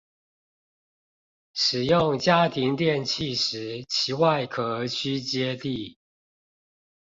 使用家庭電器時其外殼需接地